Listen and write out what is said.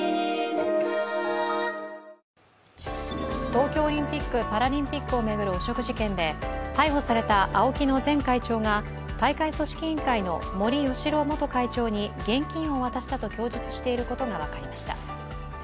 東京オリンピック・パラリンピックを巡る汚職事件で逮捕されたＡＯＫＩの前会長が大会組織委員会の森喜朗元会長に現金を渡したと供述していることが分かりました。